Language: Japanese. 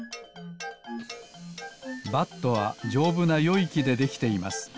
バットはじょうぶなよいきでできています。